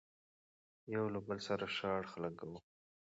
يو له بل سره ښه اړخ لګوو،